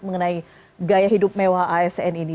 mengenai gaya hidup mewah asn ini